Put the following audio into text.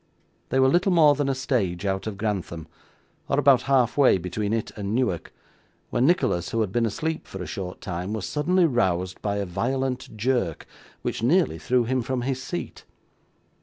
They were little more than a stage out of Grantham, or about halfway between it and Newark, when Nicholas, who had been asleep for a short time, was suddenly roused by a violent jerk which nearly threw him from his seat.